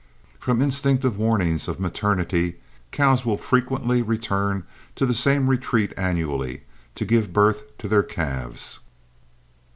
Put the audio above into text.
From instinctive warnings of maternity, cows will frequently return to the same retreat annually to give birth to their calves.